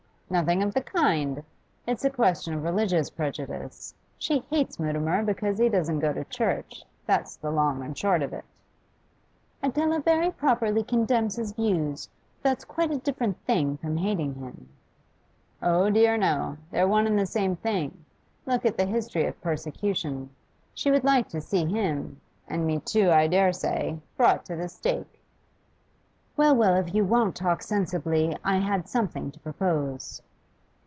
'Nothing of the kind. It's a question of religious prejudice. She hates Mutimer because he doesn't go to church, there's the long and short of it.' 'Adela very properly condemns his views, but that's quite a different thing from hating him.' 'Oh dear, no; they're one and the same thing. Look at the history of persecution. She would like to see him and me too, I dare say brought to the stake.' 'Well, well, of course if you won't talk sensibly I had something to propose.